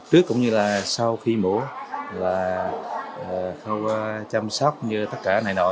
trước cũng như là sau khi mổ là không chăm sóc như tất cả này nọ